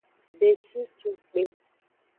Beshicukpe.